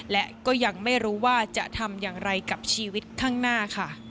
และก็ยังไม่รู้ว่าจะทำอย่างไรกับชีวิตข้างหน้าค่ะ